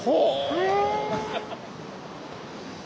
へえ。